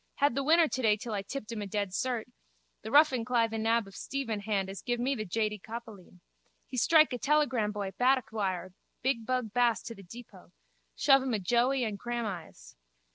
Had the winner today till I tipped him a dead cert. The ruffin cly the nab of Stephen Hand as give me the jady coppaleen. He strike a telegramboy paddock wire big bug Bass to the depot. Shove him a joey and grahamise.